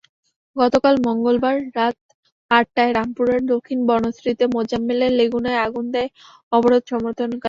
গতকাল মঙ্গলবার রাত আটটায় রামপুরার দক্ষিণ বনশ্রীতে মোজাম্মেলের লেগুনায় আগুন দেয় অবরোধ সমর্থনকারীরা।